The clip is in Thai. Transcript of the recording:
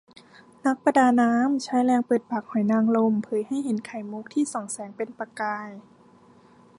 นักประดาน้ำ ใช้แรงเปิดปากหอยนางลม เผยให้เห็นไข่มุขที่ส่องแสงเป็นประกาย